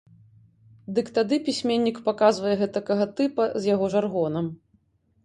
Дык тады пісьменнік паказвае гэтакага тыпа з яго жаргонам.